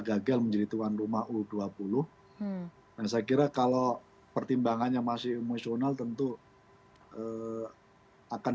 gagal menjadi tuan rumah u dua puluh dan saya kira kalau pertimbangannya masih emosional tentu akan